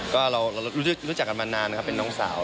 ก็เรารู้จักกันมานานนะครับเป็นน้องสาว